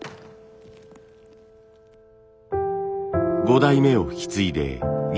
５代目を引き継いで２３年。